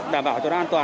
đảm bảo cho nó an toàn